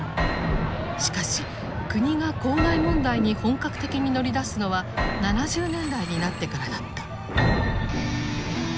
しかし国が公害問題に本格的に乗り出すのは７０年代になってからだった。